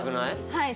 はい。